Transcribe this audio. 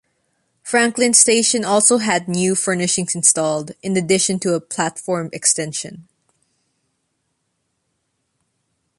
Franklin station also had new furnishings installed, in addition to a platform extension.